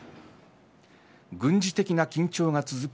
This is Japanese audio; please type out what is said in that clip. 軍事的な緊張が続く